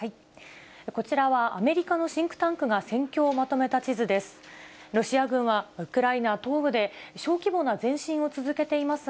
こちらは、アメリカのシンクタンクが戦況をまとめた地図です。